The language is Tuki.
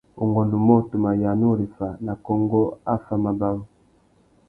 Ungôndumô, tu mà yāna ureffa nà kônkô affámabarú.